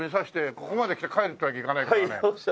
ここまで来て帰るってわけにはいかないからね。